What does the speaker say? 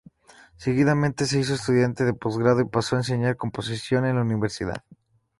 Seguidamente se hizo estudiante de posgrado y pasó a enseñar composición en la universidad.